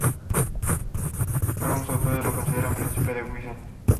Algunos autores lo consideran príncipe de Wessex.